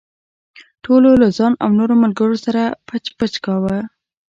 ټولو له ځان او نورو ملګرو سره پچ پچ کاوه.